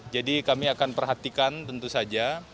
jadi kami akan perhatikan tentu saja